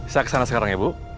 saya kesana sekarang ya bu